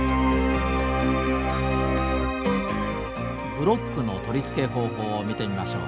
ブロックの取り付け方法を見てみましょう。